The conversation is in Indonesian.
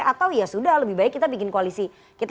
atau ya sudah lebih baik kita bikin koalisi kita